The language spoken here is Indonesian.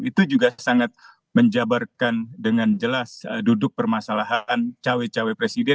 itu juga sangat menjabarkan dengan jelas duduk permasalahan cawe cawe presiden